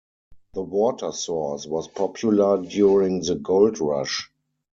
The water source was popular during the Gold Rush.